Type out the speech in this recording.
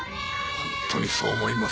本当にそう思います